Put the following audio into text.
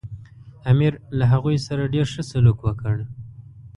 امیر له هغوی سره ډېر ښه سلوک وکړ.